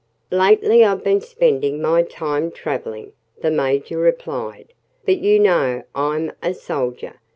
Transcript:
"Lately I've been spending my time travelling," the Major replied. "But you know I'm a soldier.